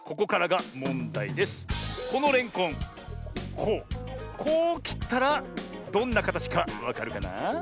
こうこうきったらどんなかたちかわかるかな？